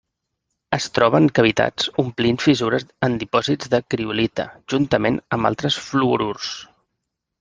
Es troba en cavitats omplint fissures en dipòsits de criolita, juntament amb altres fluorurs.